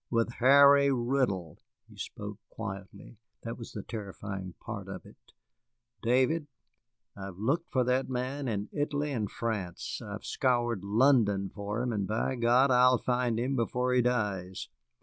"With Harry Riddle." He spoke quietly, that was the terrifying part of it. "David, I've looked for that man in Italy and France, I've scoured London for him, and, by God, I'll find him before he dies.